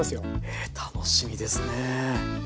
ええ楽しみですね。